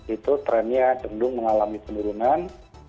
itu trennya cenderung mengalami penurunan